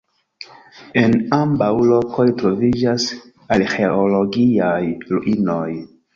En ambaŭ lokoj troviĝas arĥeologiaj ruinoj.